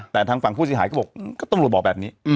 แต่ทางฝั่งผู้เสียหายก็บอกก็ตำรวจบอกแบบนี้